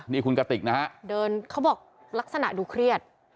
นี่คุณกติกนะฮะเดินเขาบอกลักษณะดูเครียด